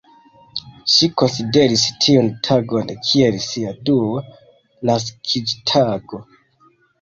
Ŝi konsideris tiun tagon kiel sia dua naskiĝtago.